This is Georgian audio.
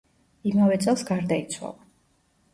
იმავე წელს გარდაიცვალა.